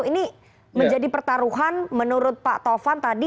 ini menjadi pertaruhan menurut pak taufan tadi